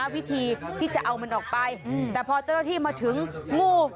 วิธีที่จะเอามันออกไปแต่พอเจ้าหน้าที่มาถึงงู